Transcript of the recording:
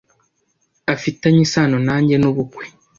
Afitanye isano nanjye nubukwe.